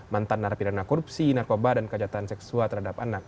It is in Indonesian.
mantan narapidana korupsi narkoba dan kejahatan seksual terhadap anak